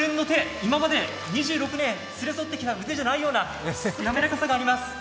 今まで２６年連れ添ってきた腕じゃないような滑らかさがあります。